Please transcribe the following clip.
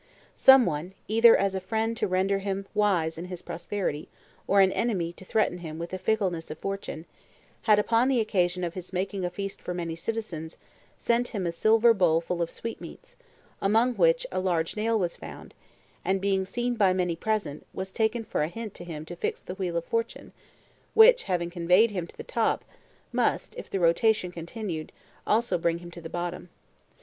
Some one, either as a friend to render him wise in his prosperity, or an enemy to threaten him with the fickleness of fortune, had upon the occasion of his making a feast for many citizens, sent him a silver bowl full of sweetmeats, among which a large nail was found, and being seen by many present, was taken for a hint to him to fix the wheel of fortune, which, having conveyed him to the top, must if the rotation continued, also bring him to the bottom.